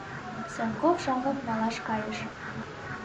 Санков шаҥгак малаш кайыш.